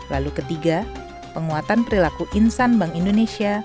lalu ketiga penguatan perilaku insan bank indonesia